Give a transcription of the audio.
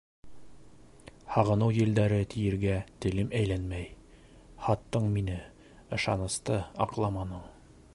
Һағыныу елдәре тиергә телем әйләнмәй. һаттың мине, ышанысты аҡламаның.